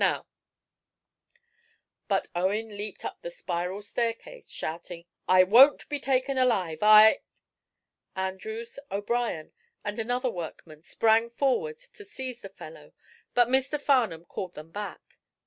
Now " But Owen leaped up the spiral staircase, shouting: "I won't be taken alive! I " Andrews, O'brien and another workman sprang forward to seize the fellow, but Mr. Farnum called them back.